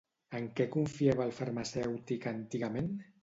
En què confiava el farmacèutic antigament?